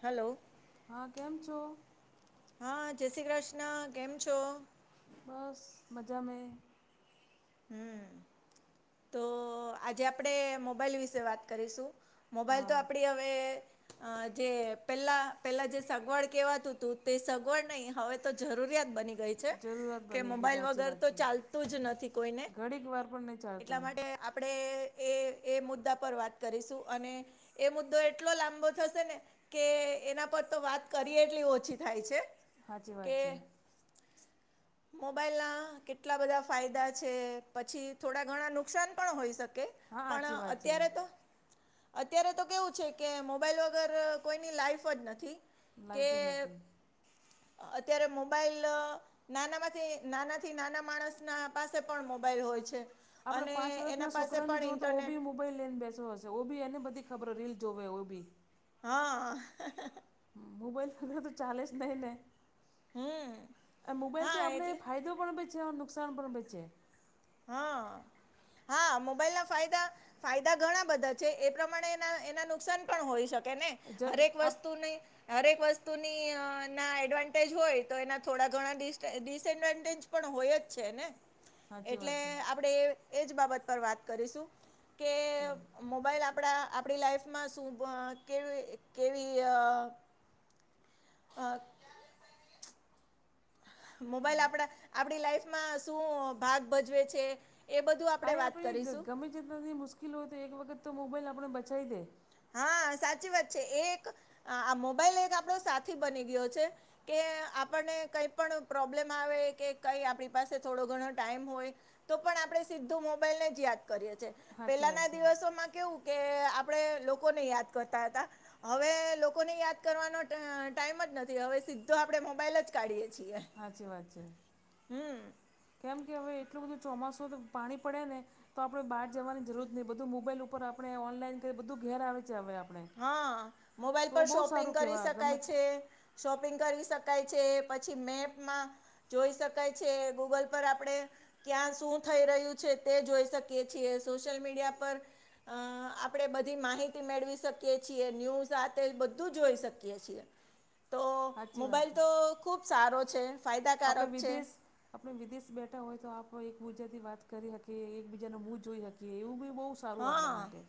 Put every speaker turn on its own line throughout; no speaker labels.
Hello
હા કેમ છો?
હા જય શ્રી ક્રશ્ર્ન. કેમ છો?
બસ મજા મે.
હમ તો આજે આપડે મોબાઈલ વિશે વાત કરીશું. મોબાઈલ
હા
તો આપડી અવ અ જે પેલા પેલા જે સગવડ કેવાતું હતું તે સગવડ નહ હવે જરૂરિયાત બની ગઈ છે
જરૂરિયાત
કે
બની ગયું છે,
મોબાઈલ વગર તો ચાલતું જ નથી. કોઈને
ગડી વાર પણ નહી.
એટલા માટે આપડે એ એ મુદ્દા પર વાત કરીશું અને એ મુદ્દો એટલો લાંબો થશે ને કે એના પર તો વાત કરીએ એટલી ઓછી થાય છે.
સાચી વાત
કે
છે
મોબાઈલના કેટલા બધા ફાયદા છે પછી થોડા ઘણા નુકસાન પણ હોઈ શકે.
હા
પણ
સાચી વાત છે
અત્યારે તો અત્યારે તો કેવું છે કે મોબાઈલ વગર કોઈની લાઈફ જ નથી. કે
લાઈફ જ નથી
અત્યારે મોબાઈલ નાના માંથી નાનાથી નાના માણસ ના પાસે પણ મોબાઈલ હોય છે.
આપણે
અને
પાંચ
એના
વર્ષના
પાસે
છોકરા ને
પણ
જો તો ઓ
ઇન્ટરનેટ
બી મો મોબાઈલ લઈને બેસો હશે વોબી એને બધી ખબર રીલ જોવેય વોબી
હા હેહેહે.
મોબાઈલ વગર તો ચાલે જ નહી ને.
હમ
આ મોબાઈલ
હા
થી આપને
એટલે
ફાયદો પણ બી છેે નુકસાન પણ છેે.
હા
[inaudible]
હા મોબાઈલના ફાયદા ફાયદા ઘણા બધા છે એ પ્રમાણે એના એના નુકસાન પણ હોય શકે ને
જ
હરેક
આપ
વસ્તુને હરેક વસ્તુની અ ના એડવાન્ટેજ હોય તો એના થોડા ઘણા ડિસ ડીસ એડવાન્ટેજ પણ હોય જ છે ને.
સાચી
એટલે
વાત છે
આપડે એજ બાબત પર વાત કરીશું કે મોબાઈલ આપડા આપડી લાઈફમાં શુંભ કેવી કેવી અ અ મોબાઈલ આપડા આપડી લાઈફમાં શું ભાગ ભજવે છે એ બધું આપડે
આ
વાત
આપણે
કરીશું.
ગમે એટલી મુશ્કેલ હોય તો એક વખત તો મોબાઈલ આપણે બચાવી લે.
હા સાચી વાત છે એક આ મોબાઈલ એક આપડો સાથી બની ગયો છે. કે આપણને કઈ પણ પ્રોબ્લેમ આવે કે કઈ આપણી પાસે થોડો ઘણો ટાઈમ હોય તો પણ આપડે સીધું મોબાઈલ ને જ યાદ કરીએ છીએ.
સાચી વાત
પેલાના
છે
દિવસોમાં કેવું કે આપડે લોકોને યાદ કરતા હતા. હવે લોકોને યાદ કરવાનો ટ ટાઈમ જ નથી હવે સીધો આપડે મોબાઈલ જ કાઢીયે છીએ.
હાચી વાત છે
હમ
કેમ કે હવે એટલું બધું ચોમાસું તો પાણી પડે ને હવે તો આપણે બહાર જવાની જરૂર નહી બધું મોબાઈલ ઉપર આપણે ઓનલાઈન કરી બધું ઘેર આવે છે હવે આપ
હા મોબાઈલ પર શોપિંગ કરી
કહેવાય ગમે
શકાય છે શોપિંગ કરી શકાય છે પછી મેપમાં જોઈ શકાય છે ગૂગલ પર આપડે ક્યાં શું થઈ રહ્યું છે તે જોઈ શકીએ છીએ સોશિયલ મીડિયા પર અ આપણેે બધી માહિતી મેળવી શકીએ ન્ય સાથે બધું જોઈ શકીએ છીએ તો
સાચી વાત
મોબાઈલ
છે.
તો ખૂબ સારો છે
આપણે
ફાયદાકારક છે
વિદેશ આપણે વિદેશ બેઠા હોય તો આપ એકબીજા થી વાત કરી શકીએ એકબીજા ન મુહ જોઈ શકીએ એવું સારું આપણે
હા
માટે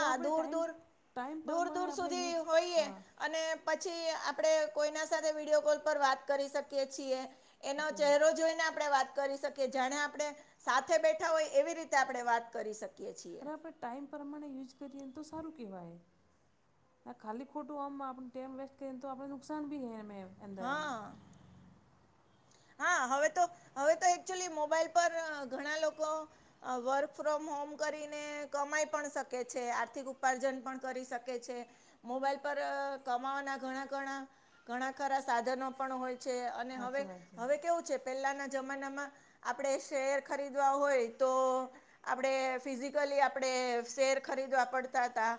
ઓમેં આપણે
દૂર
ટાઈમ
દૂર
ટાઈમ
દૂર
પ્રમાણે
દૂર
આપણે યુઝ
સુધી હોઈએ અને પછી આપણે કોઈના સાથે વિડીયો કોલ પર વાત કરી શકીએ છીએ એનો
સાચી વાત
ચહેરો જોઈને આપણે વાત કરી શકીએ જાણે આપણે સાથે બેઠા હોય એવી રીતે આપણે વાત કરી શકીએ છીએ
બરાબાર ટાઈમ પ્રમાણે યુઝ કરીએ ને તો સારું કહેવાય આ ખાલી ખોટું આમ આપ ટાઈમ વેસ્ટ કરીને તો આપણ ને નુકસાન બી હૈ
હા હા હવે તો હવે તો એકચુલી મોબાઈલ પર ઘણા લોકો વર્ક ફ્રોમ હોમ કરીને કમાઈ પણ શકે છે આર્થિક ઉપાર્જન પણ કરી શકે છે મોબાઈલ પર કમાવાના ઘણા ઘણા ઘણા ખરા સાધનો પણ હોય છે અને હવે
હાચી વાત છે
હવે કેવું છે પેલાના જમાનામાં આપણેે શેર ખરીદવા હોય તો આપણેે ફિઝિકલી આપણેે શેર ખરીદવા પડતા હતા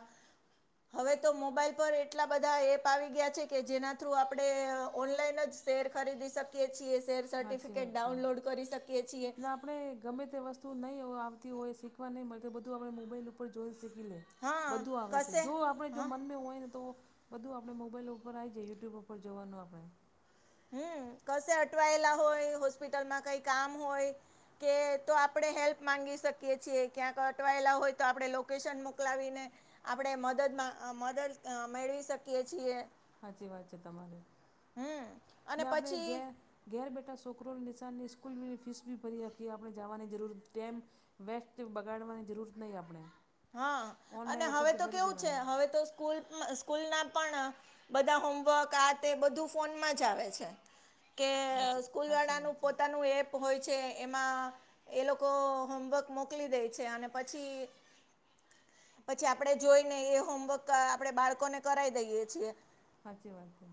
હવે તો મોબાઈલ પર એટલા બધા એપ આવી ગયા છે કે જેના થ્રુ આપણે ઓનલાઈન જ શેર ખરીદી શકીએ છીએ શેર
હાચી વાત
સર્ટિફિકેટ
છે.
ડાઉનલોડ કરી શકીએ છીએ
ને આપણે ગમે તે વસ્તુ નહીં આવતી હોય શીખવા નહીં મળતી બધું આપણે મોબાઈલ ઉપર જોઈને શીખી લે
હા
બધું આવે છે
કશે
જો આપણે જો
હા
મનમાં હોય ને તો બધું આપણે મોબાઈલ ઉપર આવી જાય યુટ્યુબ ઉપર જવાનું આપણે
હમ કસે અટવાયેલા હોય હોસ્પિટલમાં કઈ કામ હોય કે તો આપણે હેલ્પ મામાંગી શકીએ છીએ ક્યાંક અટવાયેલા હોય તો આપણે લોકેશન મોકલાવીને આપણે મદદમાં મદદ મેળવી શકીએ છીએ
સાચી વાત છે તમારી
હમ અને
ને આપણે
પછી
ગે ઘેર બેઠા છોકરોની નિશાનની સ્કૂલ બની ફીસ બી ભરી રાકીીએ આપણે જવાની જરૂર ટટેમ વેસ્ટ બગાડવાની જરૂરત નહીં આપણે
હા અને
ઓનલાઈન
હવે
ઉપરથી
તો
ભરી
કેવું છે
દેવાની
હવે તો સ્કૂલ સ્કૂલ ના પણ બધા હોમવર્ક આ તે બધું ફોનમાં જ આવે છે કે
હાચી હાચી વાત
સ્કૂલવાળાનું
છે
પોતાનું એપ હોય છે એમાં એ લોકો હોમવર્ક મોકલી દે છે અને પછી પછી આપડે જોઈ ને એ હોમવર્ક આપડે બાળકોને કરાવી દઈએ છીએ
સાચી વાત છે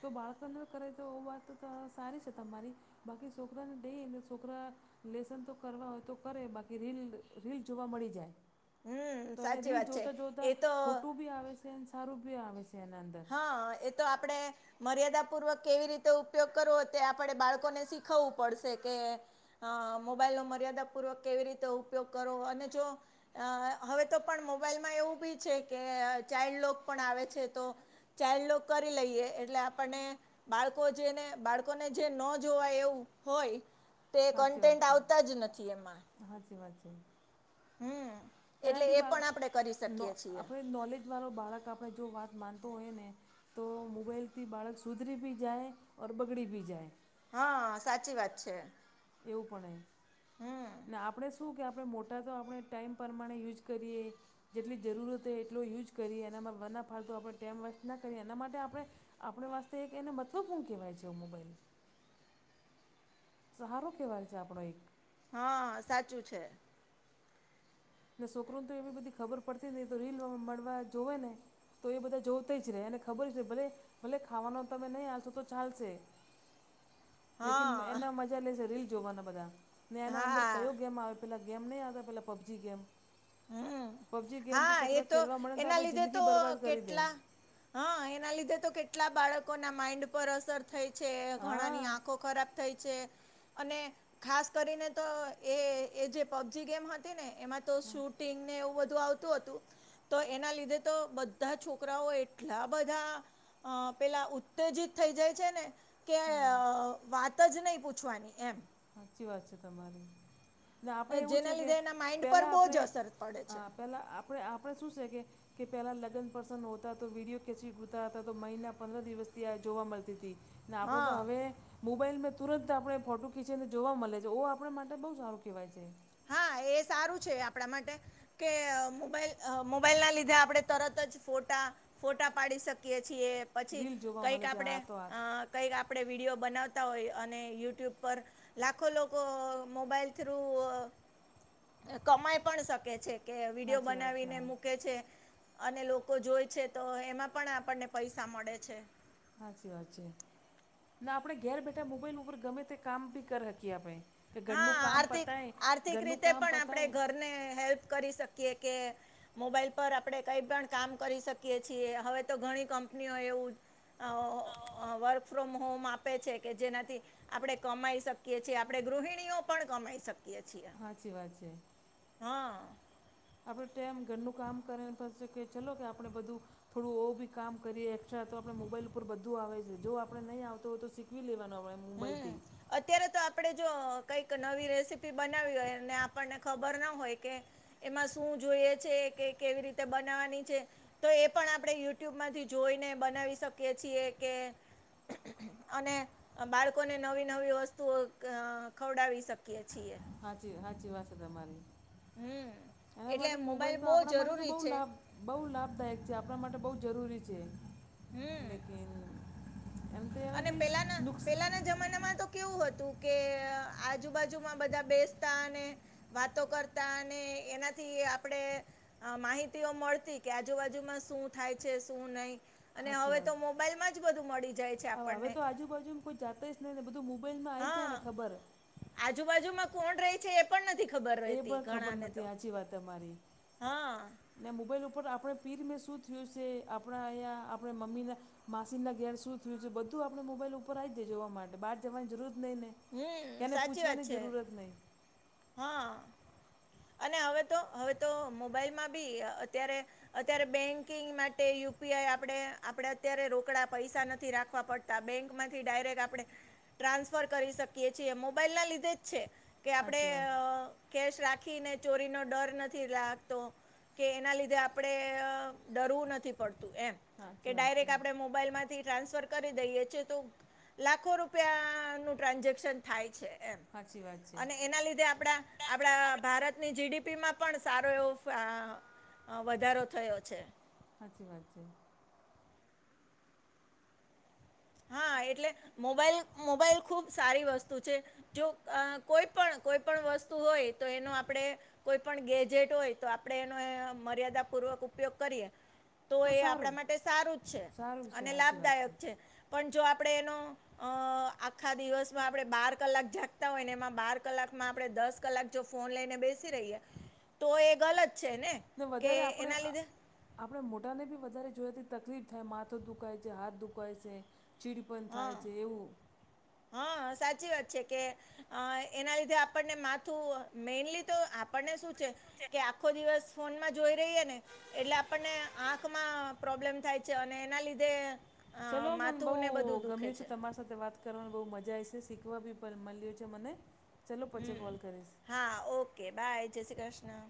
તો બાળકને કરે તો એ વાત તો સારી છે તમારી બાકી છોકરાને દઈ છોકરા લેસન તો કરવા હોય તો કરે બાકી રીલ રીલ જોવા મળી જાય
હમ
તો એને
સાચી
રીલ
વાત છે
જોતા જોતા
એ તો
ખોટું બી આવે છે અને સારું બી આવે છે એના અંદર
હા એ તો આપડે મર્યાદા પૂર્વક કેવી રીતે ઉપયોગ કરવો તે આપણે બાળકોને શીખવવું પડશે કે હ મોબાઈલનો મર્યાદાપૂર્વક કેવી રીતે ઉપયોગ કરો અને જો અ હવે તો પણ મોબાઈલમાં એવું બી છે કે ચાઇલ્ડ લોગ પણ આવે છે તો ચાઇલ્ડ લોગ કરી લઈએ એટલે આપણને બાળકો જેને બાળકોને જે ન જોવા એવું હોય તે કન્ટેન્ટ આવતા જ નથી એમાં
હાજીી વાજ
હમ એટલે
એનાથી
એ
બા
પણ આપણે કરી શકીએ છીએ
આપણે નોલેજ વાળો બાળક આપણે જો વાત માનતો હોઈ ને તો મોબાઈલથી બાળક સુધરી બી જાય ઓર બગડી બી જાય
હા સાચી વાત છે
એવું પણ
હમ
ને આપડે શું કે આપડે મોટ ટા તો આપણે ટાઈમ પ્રમાણે યુઝ કરીએ જેટલી જરૂરત હો એટલો યુઝ કરીએ એના વના ફાળત આપડે ટાઈમ વસ્ટ ના કરીએ એના માટે આપડે આપણે વાસ્તે એક એને મહત્વપૂર્ણ કેવાય છે મોબાઈલ સહારો કેવાય છે આપણો એક
હા સાચું છે
ને છોકરોને તો એવી બધી ખબર પડતી નહી તો રીલ મળવા જોવે ને તો એ બધા જોતા જ રે અનેને ખબર જ છે ભલે ભલે ખાવાનો તમે નહીં હાલશો તો ચાલશે [inaudible] લેકીન
હા
એના મજા લેશે રીલ જોવાના બધા ને એના અંદર
હા
કયો ગેમ આવે પેલા ગેમ નહીં આવતા પેલા પબજી ગેમ
હમ
પબજી ગેમ
હા એ
છોકરા
તો
ખેલવા મળે ને
એના
આપણે
લીધે તો
જિંદગી બરબાદ કરી દે
કેટલા હા એના લીધે તો કેટલા બાળકોના માઈન્ડ પર અસર થઈ છે ઘણાની
હા
આંખો ખરાબ થઈ છે અને ખાસ કરીને તો એ જે પબજી ગેમ હતી ને એમાં તો
હા
શૂટિંગ ને એવું બધું આવતું હતું તો એના લીધે તો બધા છોકરાઓ એટલા બધા અ પેલા ઉત્તેજિત થઈ જાય છે ને કે
હા
અ વાત જ નઈ પૂછવાની એમ
હાચી વાત છે તમારી આપડે એવું છે
જેના
કે
લીધે એના માઇન્ડ પર
પહેલાં
બહુ
આપડે
જ અસર પડે
અ
છે
પહેલાં આપડે આપડે શું છે કે કે પહેલા લગ્ન પ્રસન હોતા તો વિડિયો કેચવી ગતા હતા તો મહિના પંદર દિવસથી આ જોવા મળતી તી ને આપડે તો
હા
હવે મોબાઈલમાં તુરંત આપડે ફોટો કી છે ને જોવા મળે છે ઓ આપડે માટે બહુ સારું કેવાય છે
હા એ સારું છે આપડા માટે કે મોબાઈલ મોબાઈલના લીધે આપડે તરત જ ફોટા ફોટા પાડી શકીએ છીએ પછી
રીલ જોવા
કઈક
મળે છે
આપડે
હા તો હા
અ કંઈ આપડે વિડીયો બનાવતા હોય અને યુટ્યુબ પર લાખો લોકો મોબાઈલ થ્રુ કમાય પણ શકે છે કે વિડીયો
સાચી વાત છે
બનાવીને
હા
મૂકે છે અને લોકો જોય છે તો એમાં પણ આપણને પૈસા મળે છે
હાચી વાત છે ના આપડે ઘેર બેઠા મોબાઈલ ઉપર ગમે તે કામ બી કર હકી એ આપડે
હા આર્થિક આર્થિક રીતે
કામ
પણ આપડે
પતાય
ઘરને હેલ્પ કરી શકીએ કે મોબાઈલ પર આપડે કઈ પણ કામ કરી શકીએ છીએ હવે તો ઘણી કંપનીઓ એવું આવો વર્ક ફ્રોમ હોમ આપે છે કે જેનાથી આપડે કમાઈ શકીએ છે આપડે ગૃહિ ણીઓ પણ કમાઈ શકીએ છીએ
હાચી વાત છે
હા
આપડુ ટાઈમ ઘરનું કામ કરીને થશ છે કે ચલો કે આપણે બધું થોડું ઓ બી કામ કરીએ એક્સ્ટ્રા તો આપડે મોબાઈલ ઉપર બધું આવે છે જો આપણે નહીં આવતો હોય તો શીખવી લેવાનું આપણે એમ
હમ
મુંબલથી
અત્યારે તો આપડે જો કઈક નવી રેસીપી બનાવી હોય ને આપણને ખબર ના હોય કે એમાં શું જોઈએ છે કે કેવી રીતે બનાવાની છે તો એ પણ આપડે યુટ્યુબમાંથી જોઈને બનાવી શકીએ છીએ કે અને બાળકોને નવી નવી વસ્તુઓ ખવડાવી શકીએ છીએ
હાચી હાચી વાત છે તમારી
હમ
એના
એટલે
માટે મોબાઈલ તો
બહુ
આપણા માટે તો
જરૂરી
બહુ
છે
લાભ બહુ લાભદાયક છે આપણા માટે બહુ જરૂરી છે
હમ
લેકિન એમ તો એનાથી નુકસ
જમાના માં તો કેવું હતું કે આજુબાજુમાં બધા બેસતા અને વાતો કરતા અને એનાથી આપડે આ માહિતીઓ મળતી કે આજુબાજુમાં શું થાય છે શું નહી અને
સાચી
હવે
વાત
તો મોબાઈલમાં જ બધું મળી જાય છે આપ
હવે તો આજુબાજુમ કોઈ જાતે જ નહી ને બધું મોબાઈલમાં આઈ
હા
જાયને ખબર હ.
આજુબાજુમાં કોણ રે છે એપ પણ નથી ખબર
એ
રહેતી
પણ ખબર
ઘણા ને
નથી
તો
સાચી વાત તમારી
હા.
ને મોબાઈલ ઉપર આપણે પીર મેં શું થયું છે આપણા અહીંયા આપણે મમ્મીના માસીના ઘેર શું થ્યું છે બધું આપણે મોબાઈલ ઉપર આઈ જઈ જોવા માટે બહાર જવાની જરૂર નહીં ને.
હમ
કેને
સાચી વાત
પૂછવાની
છે
જરૂરત નહી.
હા. અને હવે તો હવે તો મોબાઈલમાં બી અત્યારે અત્યારે બેંકિંગ માટે યુપીઆઈ આપણે આપડે અત્યારે રોકડા પૈસા નથી રાખવા પડ તા બેંક માંથી ડાયરેક્ટ આપણે ટ્રાન્સફર કરી શકીએ છીએ મોબાઈલ ના લીધે જ છે કે આપડે
સાચી વાત
અ કેશ રાખી ને ચોરી નો ડર નથી લાગતો. કે એના લીધે આપણે અ ડરવું નથી પડતું એમ
સાચી
કે
વાત છે
ડાયરેક્ટ આપડે મો બાઈલ માંથી ટ્રાન્સફર કરી દઈએ છે તો લાખો રૂપિયાનું ટ્રાન્ઝેક્શન થાય છે એમ
સાચી વાત છે
અને એના લીધે આપડા આપણા ભારતની જીડીપીમાં પણ સારો એવો ફા વધારો થયો છે.
હાચી વાત છે.
હા એટલે મોબાઈલ મોબાઈલ ખુબ સારી વસ્તુ છે. જો અ કોઈ પણ કોઈ પણ વસ્તુ હોય તો એનું આપડે કોઈ પણ ગેજેટ હોય તો આપડે એનો અય મર્યાદા પૂર્વક ઉપયોગ કરીએ. તો એ આપણા માટે સારું જ છે
સારું છે
અને
સાચી વાત
લાભદાયક છે પણ જો આપણે એનો અ આખા દિવસમાં આપડે બાર કલાક જાગતા હોય ને એમાં બાર કલાકમાં આપડે દસ કલાક જો ફોન લઈને બેસી રહીએ તો એ ગલત છે ને.
તો
કે
વધારે આપણે
એના
આ
લીધે
આપણે મોટાને બી વધારે જોઈએ તે તકલીફ થાય માથો દુખાય છે હાથ દુખાય છે ચીડ પન થાય
હા
છે એવું.
હા સાચી વાત છે કે અ એના લીધે આપણને માથું મેઈનલી તો આપણને શું છે કે આખો દિવસ ફોનમાં જોઈ રહીએ ને એટલે આપણને આંખમાં પ્રોબ્લેમ થાય છે અને એના લીધે અ,
ચલો મન બઉ
માથું ને બધું દુખે
ગમ્યું છે તમારા સાથ તો વાત કરવાની બહુ મજા આવી છે શીખવા બી મલ્યું છે મને ચલો પછી
હમ
કોલ કરીશ.
હા ઓકે બાય જય શ્રી ક્રશ્ર્ન.